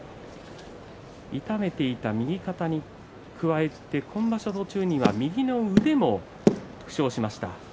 痛めていた右肩に加えて今場所途中には右の腕も負傷しました。